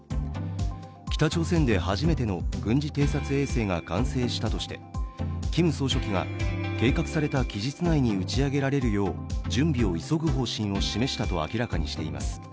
北朝鮮で初めての軍事偵察衛星が完成したとしてキム総書記が計画された期日内に打ち上げられるよう準備を急ぐ方針を示したと明らかにしています。